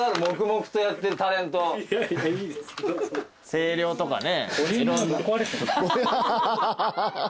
声量とかね。